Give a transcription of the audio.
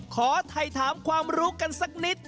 ขอถ่ายถามความรู้กันสักนิด